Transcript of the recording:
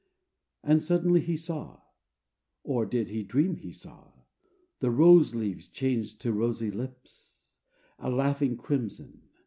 And suddenly he saw or did he dream He saw? the rose leaves change to rosy lips, A laughing crimson.